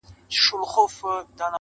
خو هغه زړور زوړ غم ژوندی گرځي حیات دی